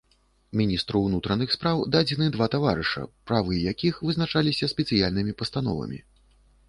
Міністру ўнутраных спраў дадзены два таварыша, правы якіх вызначаліся спецыяльнымі пастановамі.